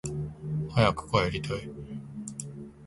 早く帰りたい